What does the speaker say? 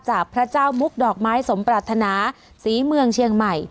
พระเจ้ามุกดอกไม้สมปรารถนาศรีเมืองเชียงใหม่